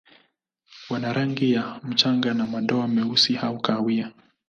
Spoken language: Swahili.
Wana rangi ya mchanga na madoa meusi au kahawia.